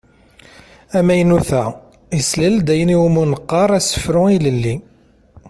Amaynut-a yeslal-d ayen i wumi qqaren asefru ilelli.